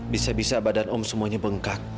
bisa bisa badan om semuanya bengkak